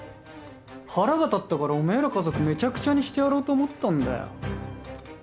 腹が立ったからおめえら家族めちゃくちゃにしてやろうと思ったんだよ。